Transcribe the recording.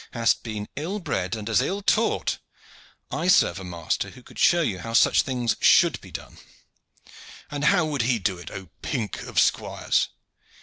Hast been ill bred and as ill taught. I serve a master who could show you how such things should be done." "And how would he do it, O pink of squires?"